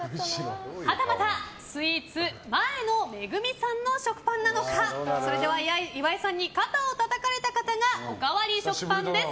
はたまた、スイーツ前野めぐみさんの食パンなのかそれでは岩井さんに肩をたたかれた方がおかわり食パンです。